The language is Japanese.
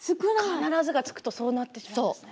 「必ず」が付くとそうなってしまうんですね。